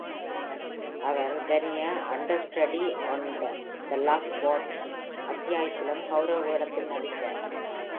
Our "The Understudy" on "The Love Boat" அத்தியாயத்திலும் கெளரவ வேடத்தில் நடித்தார்.